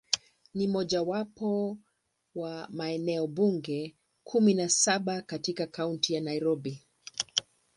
Ni mojawapo wa maeneo bunge kumi na saba katika Kaunti ya Nairobi.